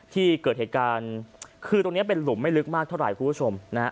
ที่เกิดเหตุการณ์คือตรงนี้เป็นหลุมไม่ลึกมากเท่าไหร่คุณผู้ชมนะฮะ